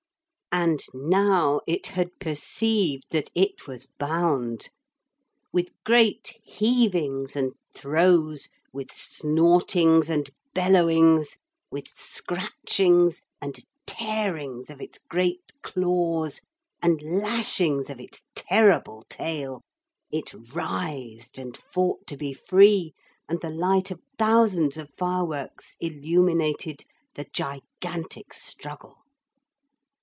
And now it had perceived that it was bound. With great heavings and throes, with snortings and bellowings, with scratchings and tearings of its great claws and lashings of its terrible tail, it writhed and fought to be free, and the light of thousands of fireworks illuminated the gigantic struggle.